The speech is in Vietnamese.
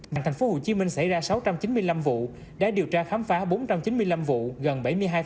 tp hcm xảy ra sáu trăm chín mươi năm vụ đã điều tra khám phá bốn trăm chín mươi năm vụ gần bảy mươi hai